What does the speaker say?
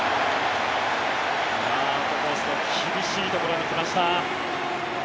アウトコースの厳しいところに来ました。